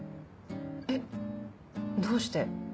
えっどうして？